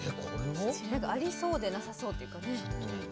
ありそうでなさそうというかね。